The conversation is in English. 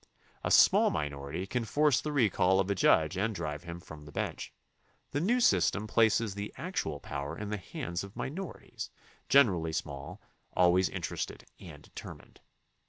A small minority can force the recall of a judge and drive him from the bench. The new system places the actual power in the hands of minorities, generally small, always interested and determined.